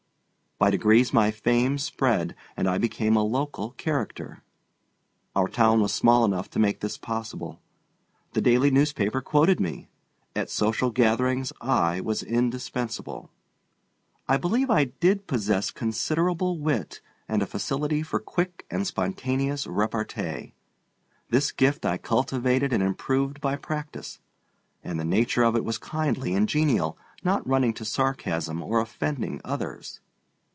By degrees my fame spread, and I became a local "character." Our town was small enough to make this possible. The daily newspaper quoted me. At social gatherings I was indispensable. I believe I did possess considerable wit and a facility for quick and spontaneous repartee. This gift I cultivated and improved by practice. And the nature of it was kindly and genial, not running to sarcasm or offending others.